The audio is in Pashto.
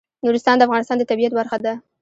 نورستان د افغانستان د طبیعت برخه ده.